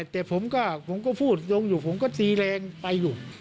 แต่ผมก็พูดลงอยู่ผมก็ตีแรงไปอยู่